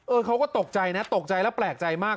เขาก็ตกใจนะตกใจแล้วแปลกใจมาก